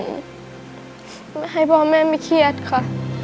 ไม่ให้พ่อแม่ไม่เครียดค่ะ